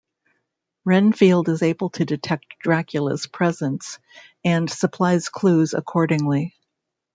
Renfield is able to detect Dracula's presence and supplies clues accordingly.